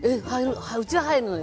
うちは入るのよ。